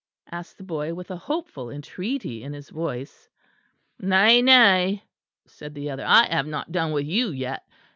asked the boy with hopeful entreaty in his voice. "Nay, nay," said the other, "I have not done with you yet.